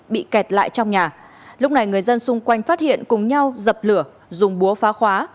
bị kẹt lại trong nhà lúc này người dân xung quanh phát hiện cùng nhau dập lửa dùng búa phá khóa